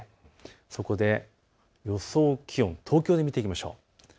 そこで予想気温を東京で見ていきましょう。